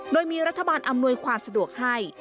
โดยมีรัฐบาลอำนวยความสะดวกให้